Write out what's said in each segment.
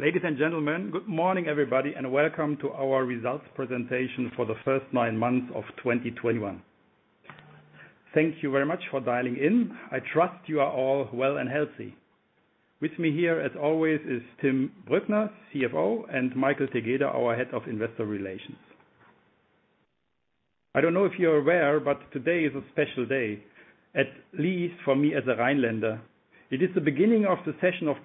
Ladies and gentlemen, good morning, everybody, and welcome to our results presentation for the first nine months of 2021. Thank you very much for dialing in. I trust you are all well and healthy. With me here, as always, are Tim Brückner, CFO, and Michael Tegeder, our Head of Investor Relations. I don't know if you're aware, but today is a special day, at least for me as a Rhinelander. It is the beginning of the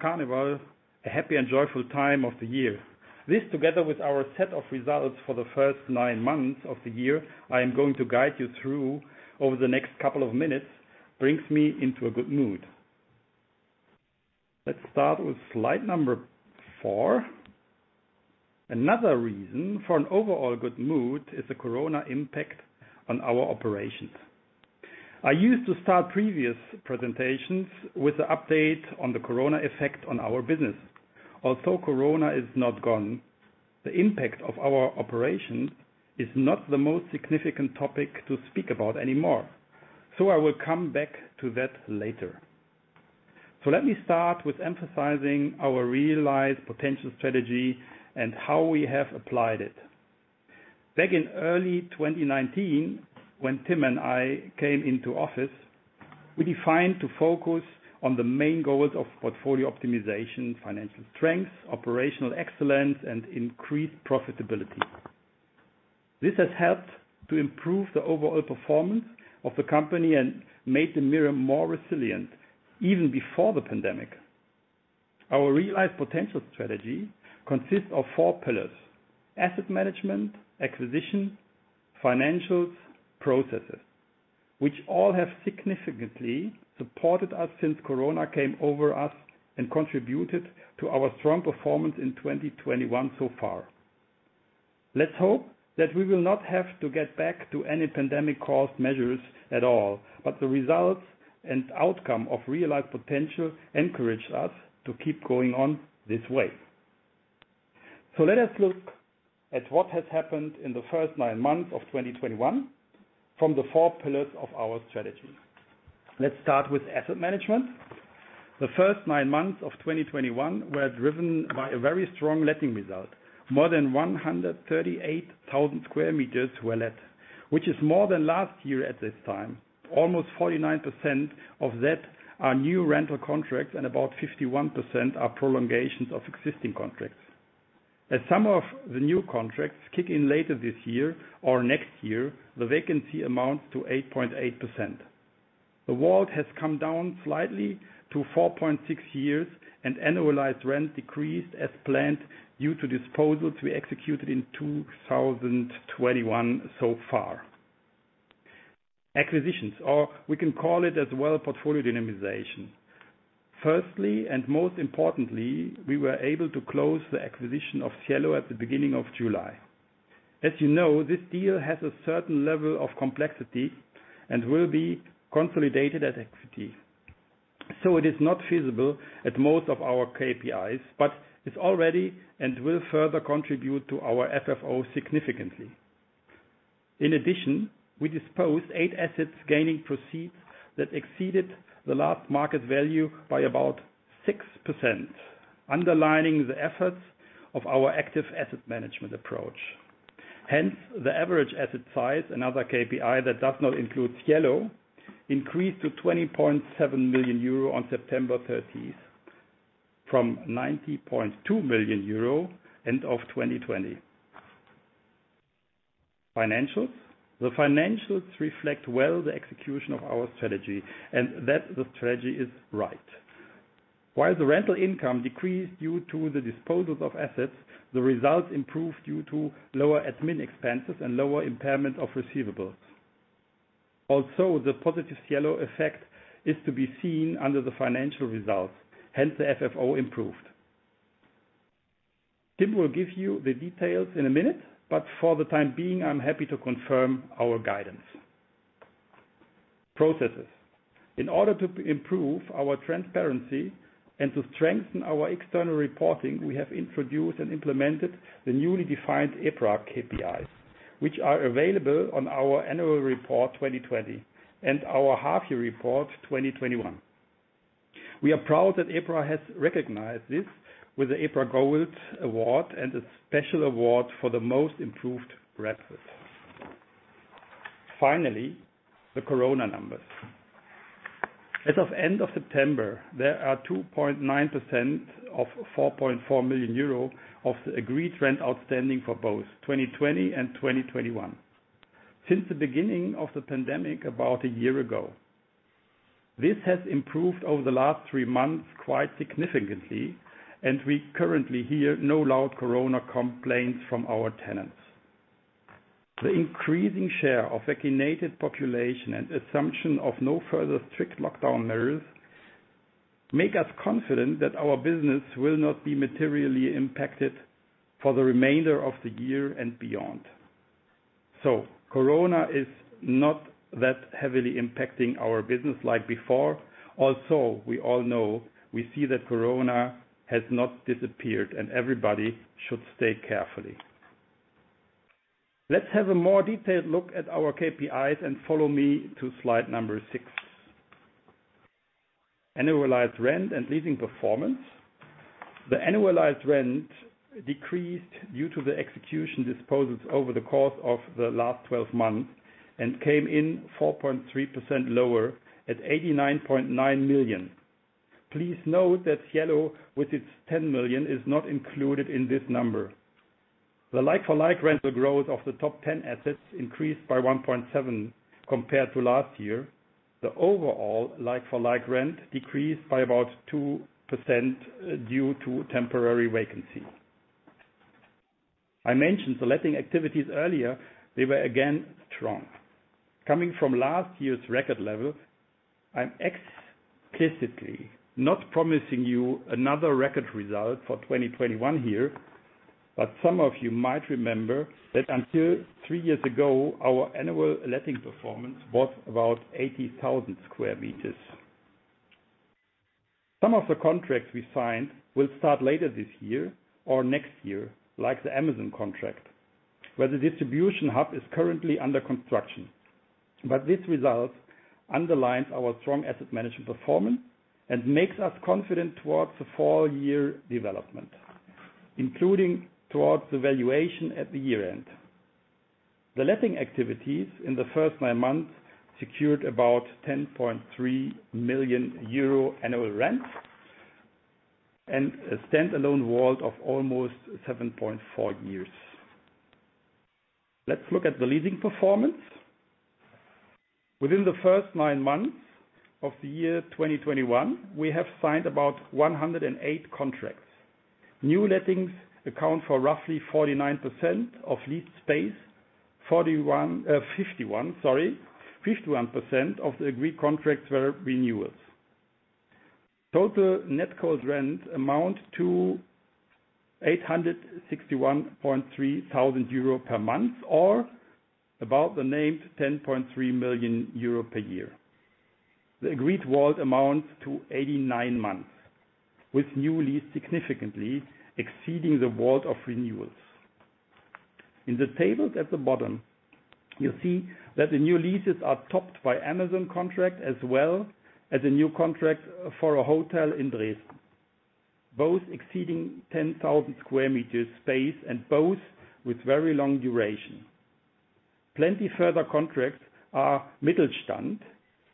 Carnival, a happy and joyful time of the year. This, together with our set of results for the first nine months of the year, I am going to guide you through over the next couple of minutes, which brings me into a good mood. Let's start with slide number four. Another reason for an overall good mood is the coronavirus impact on our operations. I used to start previous presentations with an update on the coronavirus's effect on our business. Although the coronavirus is not gone, the impact on our operations is not the most significant topic to speak about anymore. I will come back to that later. Let me start by emphasizing our REALize Potential strategy and how we have applied it. Back in early 2019, when Tim and I came into office, we decided to focus on the main goals of portfolio optimization, financial strength, operational excellence, and increased profitability. This has helped to improve the overall performance of the company and made DEMIRE more resilient even before the pandemic. Our REALize Potential strategy consists of four pillars: asset management, acquisition, financials, and processes, which have all significantly supported us since the coronavirus came over us and contributed to our strong performance in 2021 so far. Let's hope that we will not have to get back to any pandemic-caused measures at all, but the results and outcome of REALize Potential encourage us to keep going on this way. Let us look at what has happened in the first nine months of 2021 from the four pillars of our strategy. Let's start with asset management. The first nine months of 2021 were driven by a very strong letting result. More than 138,000 sq m were let, which is more than last year at this time. Almost 49% of those are new rental contracts, and about 51% are prolongations of existing contracts. As some of the new contracts kick in later this year or next year, the vacancy amounts to 8.8%. The WALT has come down slightly to 4.6 years, and annualized rent decreased as planned due to disposals we executed in 2021 so far. Acquisitions, or we can call it as well, portfolio dynamization. Firstly, and most importantly, we were able to close the acquisition of Cielo at the beginning of July. As you know, this deal has a certain level of complexity and will be consolidated as equity. It is not feasible for most of our KPIs, but it already does and will further contribute to our FFO significantly. In addition, we disposed of eight assets, gaining proceeds that exceeded the last market value by about 6%, underlining the efforts of our active asset management approach. Hence, the average asset size, another KPI that does not include Cielo, increased to 20.7 million euro on September 13 from 90.2 million euro at the end of 2020. Financials. The financials reflect well the execution of our strategy and that the strategy is right. While the rental income decreased due to the disposals of assets, the results improved due to lower admin expenses and lower impairment of receivables. Also, the positive Cielo effect is to be seen under the financial results, hence the FFO improved. Tim will give you the details in a minute, but for the time being, I'm happy to confirm our guidance. Processes. In order to improve our transparency and to strengthen our external reporting, we have introduced and implemented the newly defined EPRA KPIs, which are available on our annual report 2020 and our half-year report 2021. We are proud that EPRA has recognized this with the EPRA Gold Award and a special award for the most improved REITS. Finally, the coronavirus numbers. As of the end of September, there are 2.9% of 4.4 million euro of the agreed rent outstanding for both 2020 and 2021 since the beginning of the pandemic about a year ago. This has improved over the last three months quite significantly, and we currently hear no loud coronavirus complaints from our tenants. The increasing share of the vaccinated population and assumption of no further strict lockdown measures make us confident that our business will not be materially impacted for the remainder of the year and beyond. Corona is not that heavily impacting our business like before. We all know we see that the coronavirus has not disappeared, and everybody should stay careful. Let's have a more detailed look at our KPIs and follow me to slide number six. Annualized rent and leasing performance. The annualized rent decreased due to the executed disposals over the course of the last 12 months and came in 4.3% lower at 89.9 million. Please note that Cielo, with its 10 million, is not included in this number. The like-for-like rental growth of the top 10 assets increased by 1.7% compared to last year. The overall like-for-like rent decreased by about 2% due to temporary vacancy. I mentioned the letting activities earlier. They were again strong. Coming from last year's record level, I'm explicitly not promising you another record result for 2021 here, but some of you might remember that until three years ago, our annual letting performance was about 80,000 sq m. Some of the contracts we signed will start later this year or next year, like the Amazon contract, where the distribution hub is currently under construction. This result underlines our strong asset management performance and makes us confident about the full-year development, including towards the valuation at the year-end. The letting activities in the first nine months secured about 10.3 million euro annual rent and a standalone WALT of almost 7.4 years. Let's look at the leasing performance. Within the first nine months of the year 2021, we have signed about 108 contracts. New lettings account for roughly 49% of leased space. 51% of the agreed contracts were renewals. Total net cold rent amounts to 861.3 thousand euro per month, or about 10.3 million euro per year. The agreed WALT amounts to 89 months, with the new lease significantly exceeding the WALT of renewals. In the tables at the bottom, you'll see that the new leases are topped by an Amazon contract, as well as a new contract for a hotel in Dresden, both exceeding 10,000 sq m space and both with very long duration. Plenty of further contracts are Mittelstand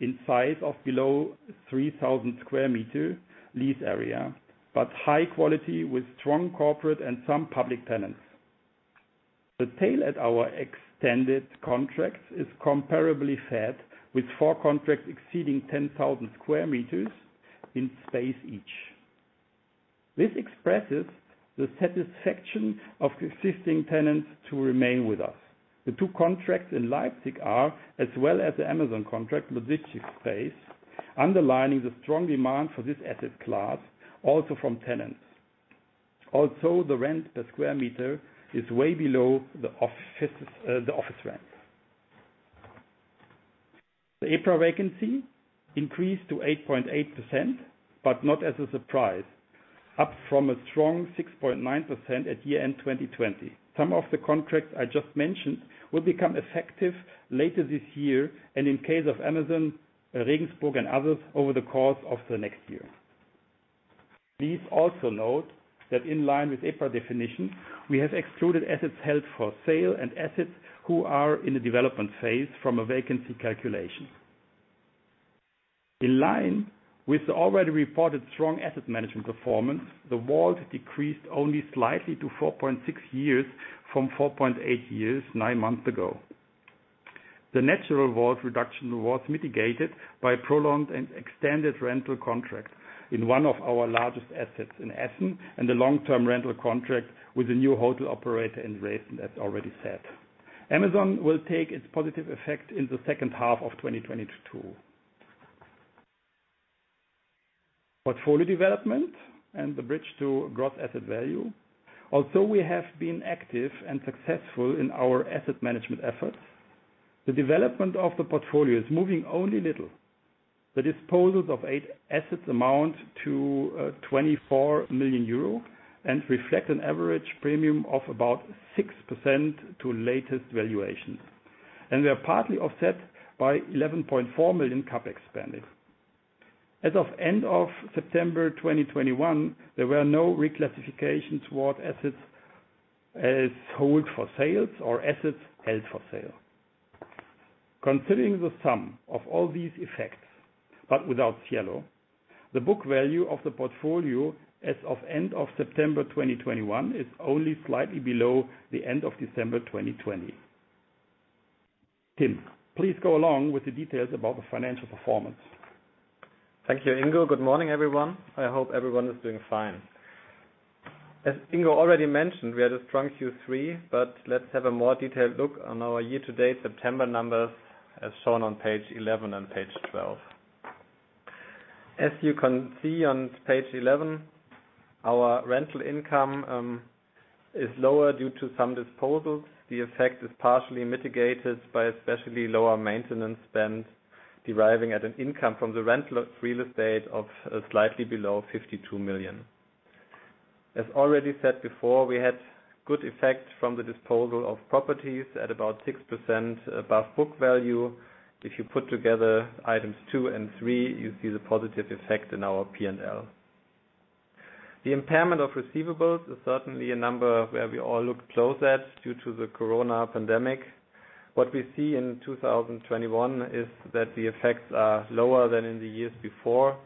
in size, with a lease area below 3,000 sq m, but high quality with strong corporate and some public tenants. The tail of our extended contracts is comparably fat, with four contracts exceeding 10,000 sq m in space each. This expresses the satisfaction of existing tenants to remain with us. The two contracts in Leipzig are, as well as the Amazon contract, logistics space, underlining the strong demand for this asset class, also from tenants. Also, the rent per square meter is way below the office rent. The EPRA vacancy increased to 8.8%, but not as a surprise, up from a strong 6.9% at year-end 2020. Some of the contracts I just mentioned will become effective later this year, and in the case of Amazon, Regensburg, and others, over the course of the next year. Please also note that, in line with the EPRA definition, we have excluded assets held for sale and assets that are in the development phase from a vacancy calculation. In line with the already reported strong asset management performance, the WALT decreased only slightly to 4.6 years from 4.8 years, nine months ago. The natural WALT reduction was mitigated by prolonged and extended rental contracts in one of our largest assets in Essen and the long-term rental contract with a new hotel operator in Dresden, as already said. Amazon will take its positive effect in the second half of 2022. Portfolio development and the bridge to gross asset value. Also, we have been active and successful in our asset management efforts. The development of the portfolio is moving only a little. The disposals of eight assets amount to 24 million euro and reflect an average premium of about 6% to the latest valuations. They are partly offset by 11.4 million CapEx spending. As of the end of September 2021, there were no reclassifications toward assets held for sale. Considering the sum of all these effects, but without Cielo, the book value of the portfolio as of the end of September 2021 is only slightly below the end of December 2020. Tim, please go along with the details about the financial performance. Thank you, Ingo. Good morning, everyone. I hope everyone is doing fine. As Ingo already mentioned, we had a strong Q3, but let's have a more detailed look at our year-to-date September numbers as shown on pages 11 and 12. As you can see on page 11, our rental income is lower due to some disposals. The effect is partially mitigated by especially lower maintenance spend, resulting in an income from the rental real estate of slightly below 52 million. As already said before, we had a good effect from the disposal of properties at about 6% above book value. If you put together items two and three, you see the positive effect in our P&L. The impairment of receivables is certainly a number that we all look closely at due to the coronavirus pandemic. What we see in 2021 is that the effects are lower than in the years before,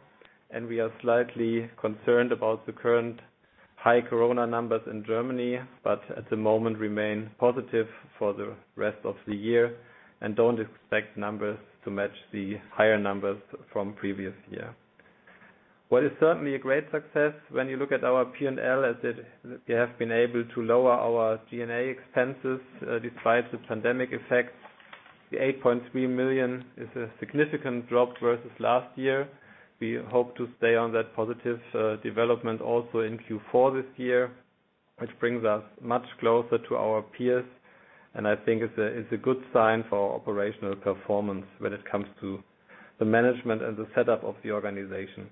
and we are slightly concerned about the current high corona numbers in Germany, but at the moment, we remain positive for the rest of the year and don't expect numbers to match the higher numbers from the previous year. What is certainly a great success when you look at our P&L is that we have been able to lower our G&A expenses despite the pandemic effects. The 8.3 million is a significant drop from last year. We hope to stay on that positive development also in Q4 this year, which brings us much closer to our peers, and I think it's a good sign for operational performance when it comes to the management and the setup of the organization.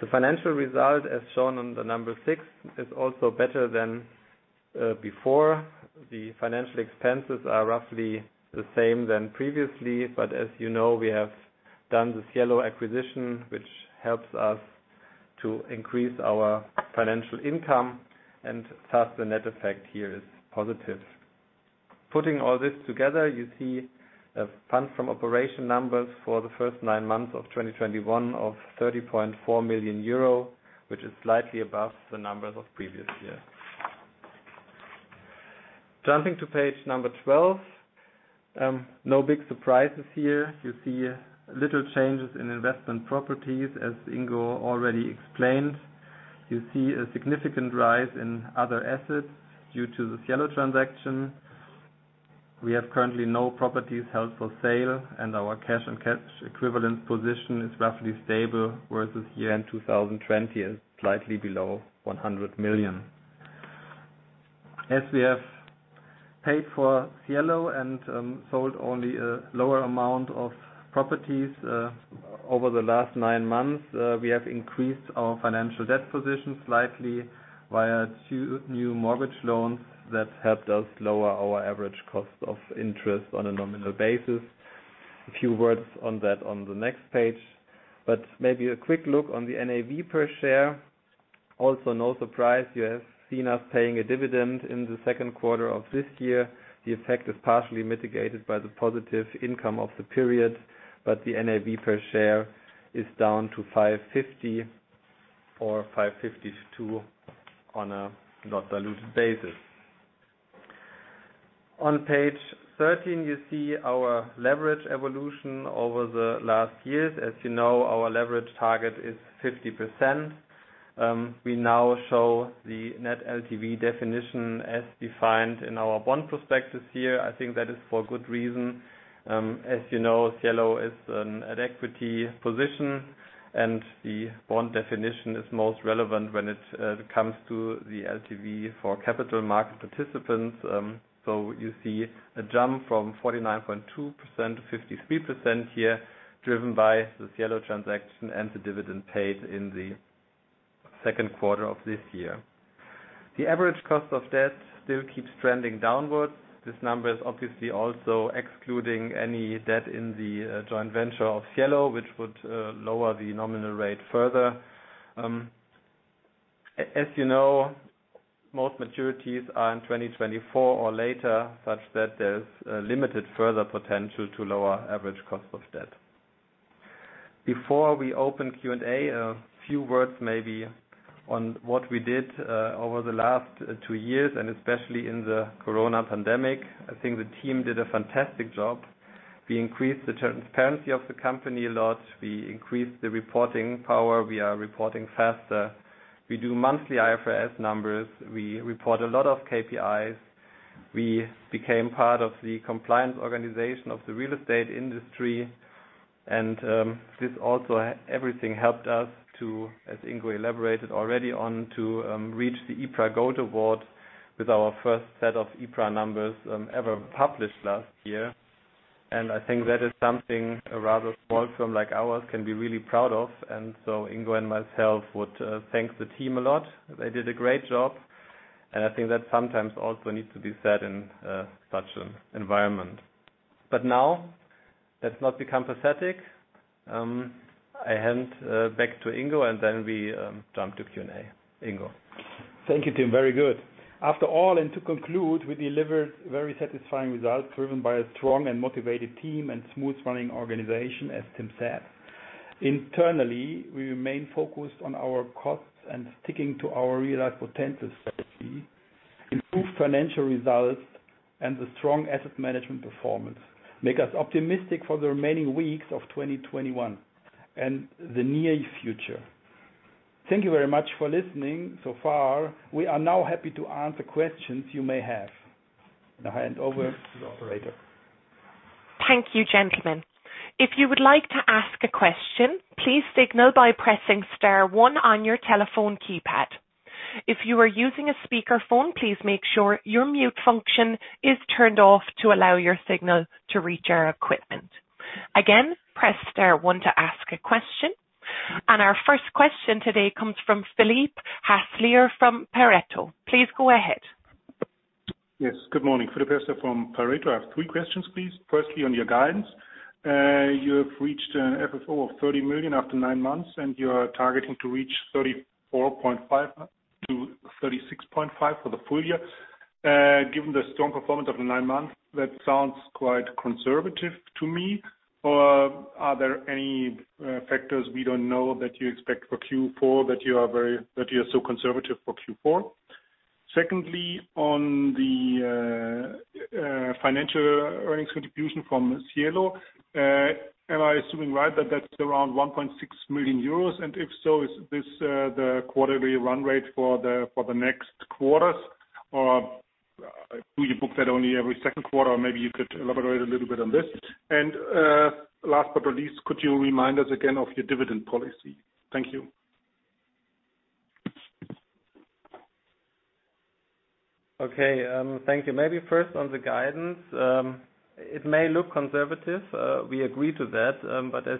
The financial result, as shown on the sixth, is also better than before. The financial expenses are roughly the same as previously, but as you know, we have done the Cielo acquisition, which helps us to increase our financial income, and thus the net effect here is positive. Putting all this together, you see funds from operation numbers for the first nine months of 2021 of 30.4 million euro, which is slightly above the numbers of the previous year. Jumping to page 12, no big surprises here. You see little changes in investment properties, as Ingo already explained. You see a significant rise in other assets due to the Cielo transaction. We currently have no properties held for sale, and our cash and cash equivalent position is roughly stable, whereas year-end 2020 is slightly below 100 million. As we have paid for Cielo and sold only a lower amount of properties over the last nine months, we have increased our financial debt position slightly via two new mortgage loans that helped us lower our average cost of interest on a nominal basis. A few words on that on the next page. Maybe a quick look at the NAV per share. Also, no surprise, you have seen us paying a dividend in the second quarter of this year. The effect is partially mitigated by the positive income of the period, but the NAV per share is down to 550 or 552 on a non-diluted basis. On page 13, you see our leverage evolution over the last few years. As you know, our leverage target is 50%. We now show the net LTV definition as defined in our bond prospectus here. I think that is for good reason. As you know, Cielo is an equity position, and the bond definition is most relevant when it comes to the LTV for capital market participants. You see a jump from 49.2% to 53% here, driven by the Cielo transaction and the dividend paid in the second quarter of this year. The average cost of debt still keeps trending downwards. This number is obviously also excluding any debt in the joint venture of Cielo, which would lower the nominal rate further. As you know, most maturities are in 2024 or later, such that there's limited further potential to lower the average cost of debt. Before we open Q&A, a few words on what we did over the last two years, and especially during the coronavirus pandemic. I think the team did a fantastic job. We increased the transparency of the company a lot. We increased the reporting power. We are reporting faster. We do monthly IFRS numbers. We report a lot of KPIs. We became part of the compliance organization of the real estate industry. This also, everything helped us to, as Ingo elaborated already on, reach the EPRA Gold Award with our first set of EPRA numbers, ever published last year. I think that is something a rather small firm like ours can be really proud of. Ingo and I would thank the team a lot. They did a great job, and I think that sometimes also needs to be said in such an environment. Now, let's not become pathetic. I hand back to Ingo, and then we jump to Q&A. Ingo? Thank you, Tim. Very good. After all, to conclude, we delivered very satisfying results driven by a strong and motivated team and a smooth-running organization, as Tim said. Internally, we remain focused on our costs and sticking to our REALize Potential strategy. Improved financial results and the strong asset management performance make us optimistic for the remaining weeks of 2021 and the near future. Thank you very much for listening so far. We are now happy to answer questions you may have. I hand over to the operator. Thank you, gentlemen. If you would like to ask a question, please signal by pressing star one on your telephone keypad. If you are using a speakerphone, please make sure your mute function is turned off to allow your signal to reach our equipment. Our first question today comes from Philipp Häßler from Pareto. Please go ahead. Yes. Good morning. Philipp Häßler from Pareto. I have three questions, please. Firstly, on your guidance. You have reached an FFO of 30 million after nine months, and you are targeting to reach 34.5 million-36.5 million for the full year. Given the strong performance of the nine months, that sounds quite conservative to me. Or are there any factors we don't know that you expect for Q4, that you are so conservative for Q4? Secondly, on the financial earnings contribution from Cielo, am I assuming right that that's around 1.6 million euros? And if so, is this the quarterly run rate for the next quarter? Or do you book that only every second quarter? Or maybe you could elaborate a little bit on this. Last but not least, could you remind us again of your dividend policy? Thank you. Okay, thank you. Maybe first on the guidance, it may look conservative, but we agree to that. As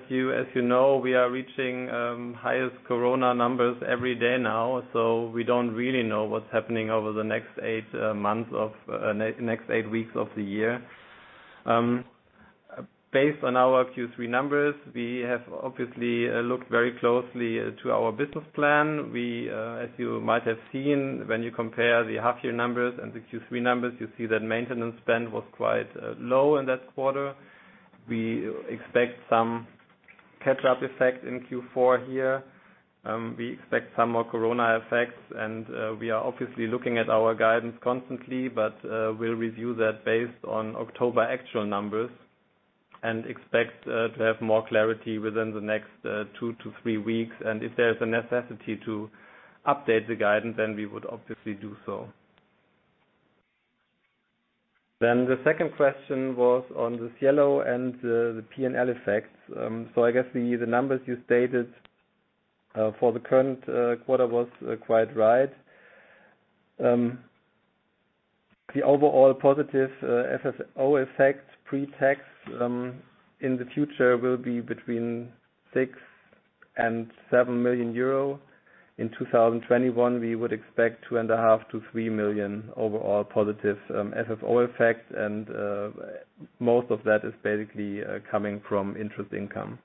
you know, we are reaching the highest coronavirus numbers every day now, so we don't really know what's happening over the next eight weeks of the year. Based on our Q3 numbers, we have obviously looked very closely at our business plan. We, as you might have seen when you compare the half-year numbers and the Q3 numbers, see that maintenance spend was quite low in that quarter. We expect some catch-up effect in Q4 here. We expect some more Corona effects, and we are obviously looking at our guidance constantly, but we'll review that based on October's actual numbers and expect to have more clarity within the next two to three weeks. If there's a necessity to update the guidance, then we would obviously do so. The second question was on the Cielo and the P&L effects. I guess the numbers you stated for the current quarter were quite right. The overall positive FFO effect pre-tax in the future will be between 6 million and 7 million euro. In 2021, we would expect 2.5 million to 3 million overall positive FFO effect, and most of that is basically coming from interest income.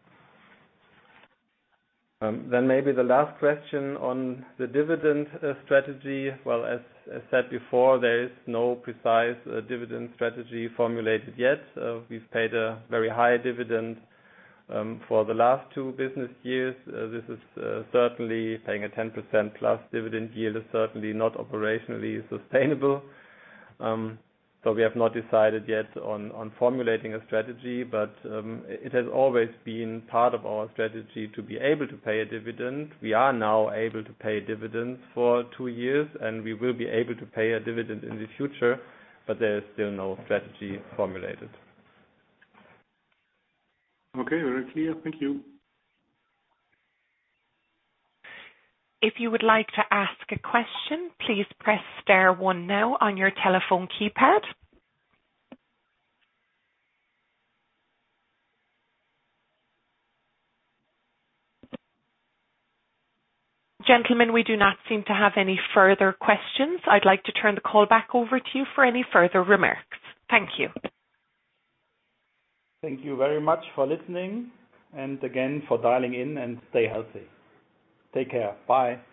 Maybe the last question on the dividend strategy. Well, as I said before, there is no precise dividend strategy formulated yet. We've paid a very high dividend for the last two business years. This is certainly paying a 10% plus dividend yield, which is not operationally sustainable. We have not decided yet on formulating a strategy, but it has always been part of our strategy to be able to pay a dividend. We are now able to pay a dividend for two years, and we will be able to pay a dividend in the future, but there is still no strategy formulated. Okay. Very clear. Thank you. If you would like to ask a question, please press star one now on your telephone keypad. Gentlemen, we do not seem to have any further questions. I'd like to turn the call back over to you for any further remarks. Thank you. Thank you very much for listening and again for dialing in, and stay healthy. Take care. Bye.